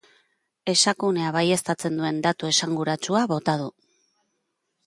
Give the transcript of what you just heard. Esakunea baieztatzen duen datu esanguratsua bota du.